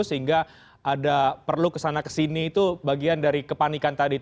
sehingga ada perlu kesana kesini itu bagian dari kepanikan tadi